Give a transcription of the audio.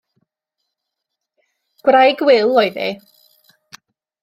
Gwraig Wil oedd hi.